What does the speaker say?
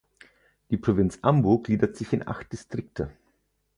Die Provinz Ambo gliedert sich in acht Distrikte.